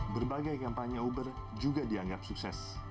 berbagai kampanye uber juga dianggap sukses